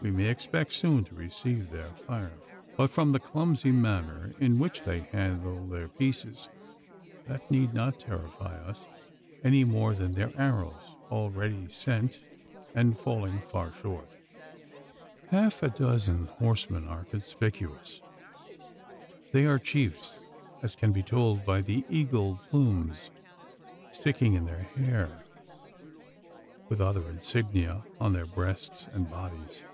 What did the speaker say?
We may expect soon to receive their fire; but, from the clumsy manner in which they handle their pieces, that need not terrify us any more than their arrows, already sent, and falling far short. Half a dozen horsemen are conspicuous. They are chiefs, as can be told by the eagle plumes sticking in their hair, with other insignia on their breasts and bodies.